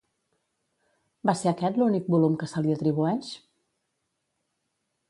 Va ser aquest l'únic volum que se li atribueix?